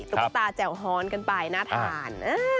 ตุ๊กตาแจ่วฮอนกันไปน่าทาน